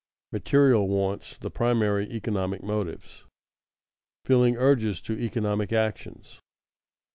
MATERIAL WANTS, THE PRIMARY ECONOMIC MOTIVES [Sidenote: Feeling urges to economic actions] 1.